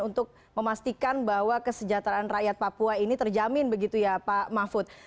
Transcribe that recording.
untuk memastikan bahwa kesejahteraan rakyat papua ini terjamin begitu ya pak mahfud